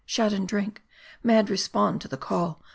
shout and drink ! mad respond to the call